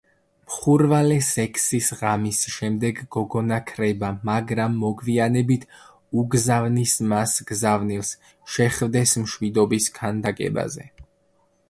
მხურვალე სექსის ღამის შემდეგ გოგონა ქრება, მაგრამ მოგვიანებით უგზავნის მას გზავნილს, შეხვდეს მშვიდობის ქანდაკებაზე.